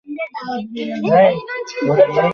ক্রুদ্ধ বিচারকের তো এমন কুণ্ঠিত ভাব হইবার কথা নহে।